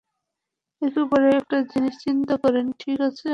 একবারে একটা জিনিস চিন্তা করেন, ঠিক আছে?